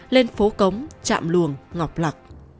lên phố cống trạm luồng ngọc lạc